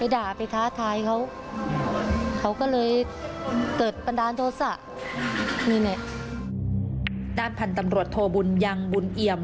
ด้านพันธุ์ตำรวจโทบุญยังบุญเอี่ยม